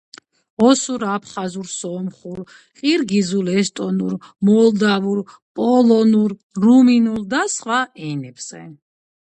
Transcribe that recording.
ოსურ, აფხაზურ, სომხურ, ყირგიზულ, ესტონურ, მოლდავურ, პოლონურ, რუმინულ და სხვა ენებზე.